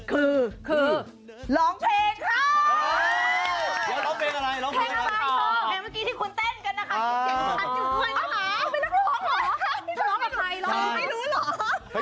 คือล้องเพลง